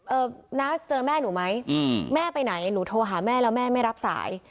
น้าเจอแม่หนูไหมอืมแม่ไปไหนหนูโทรหาแม่แล้วแม่ไม่รับสาย